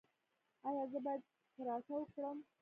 ایا زه باید کراټه وکړم؟